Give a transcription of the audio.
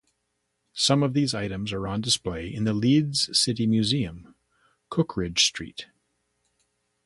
Some of these items are on display in the Leeds City Museum, Cookridge Street.